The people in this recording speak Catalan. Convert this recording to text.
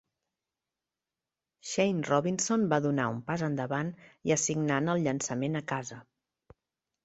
Shane Robinson va donar un pas endavant i assignant el llançament a casa.